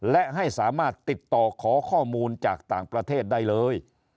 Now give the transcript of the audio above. และให้สามารถติดต่อขอข้อมูลจากต่างประเทศได้เลย